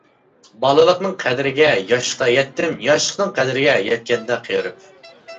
بالىلىقنىڭ قەدرىگە ياشلىقتا يەتتىم، ياشلىقنىڭ قەدرىگە يەتكەندە قېرىپ.